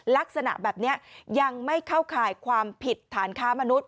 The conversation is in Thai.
ลักษณะแบบนี้ยังไม่เข้าข่ายความผิดฐานค้ามนุษย